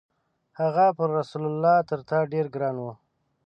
هغه پر رسول الله تر تا ډېر ګران و.